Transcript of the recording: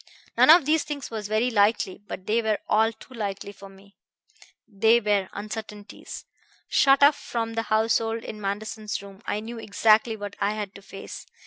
None of these things was very likely; but they were all too likely for me. They were uncertainties. Shut off from the household in Manderson's room I knew exactly what I had to face.